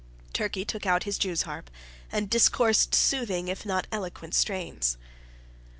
Turkey took out his Jews' harp, and discoursed soothing if not eloquent strains.